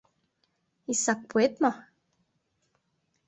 Иссак пуэт мо?